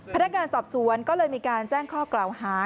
พนักงานสอบสวนก็เลยมีการแจ้งข้อกล่าวหา